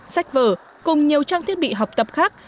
sách vở cùng nhiều trang thiết bị học tập khác